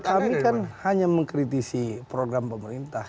kami kan hanya mengkritisi program pemerintah